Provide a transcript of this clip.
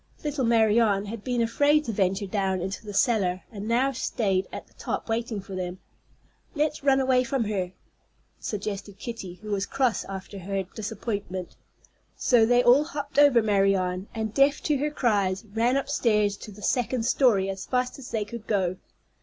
Little Marianne had been afraid to venture down into the cellar, and now stayed at the top waiting for them. "Let's run away from her," suggested Kitty, who was cross after her disappointment. So they all hopped over Marianne, and, deaf to her cries, ran upstairs to the second story as fast as they could go.